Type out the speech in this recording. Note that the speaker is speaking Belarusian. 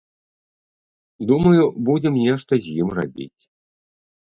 Думаю, будзем нешта з ім рабіць.